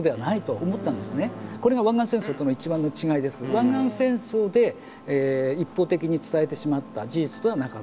湾岸戦争で一方的に伝えてしまった事実ではなかった。